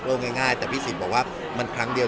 แต่งใกล้ง่ายแต่พี่บอกว่ามันครั้งเดียว